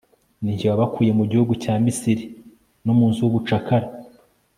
ni jye wabakuye mu gihugu cya misiri no mu nzu y'ubucakara